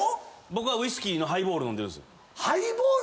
僕はウイスキーのハイボール飲んでる。